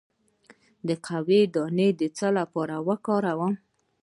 د قهوې دانه د څه لپاره وکاروم؟